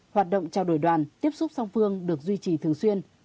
hoạt động trao đổi đoàn tiếp xúc song phương được duy trì thường xuyên